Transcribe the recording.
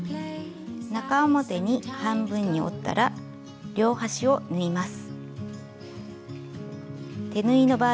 中表に半分に折ったら両端を縫います。